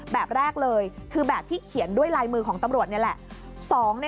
แบบแรกเลยคือแบบที่เขียนด้วยลายมือของตำรวจนี่แหละ